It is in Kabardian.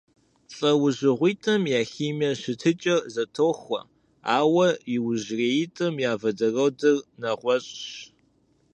ЛӀэужьыгъуищым я химие щытыкӀэр зэтохуэ, ауэ иужьреитӀым я водородыр нэгъуэщӀщ.